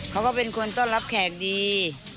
เขาก็เป็นคนต้อนรับแขกดี